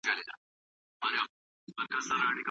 په قسم کې د مساوات نشتون ولي معروف معاشرت نه دی؟